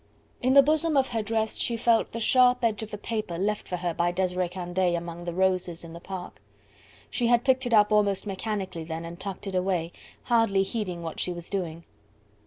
In the bosom of her dress she felt the sharp edge of the paper left for her by Desiree Candeille among the roses in the park. She had picked it up almost mechanically then, and tucked it away, hardly heeding what she was doing.